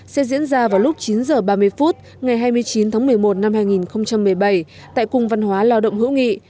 sẽ diễn ra vào lúc chín h ba mươi phút ngày hai mươi chín tháng một mươi một năm hai nghìn một mươi bảy tại cung văn hóa lao động hữu nghị